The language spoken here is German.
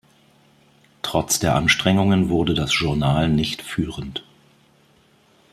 Trotz der Anstrengungen wurde das Journal nicht führend.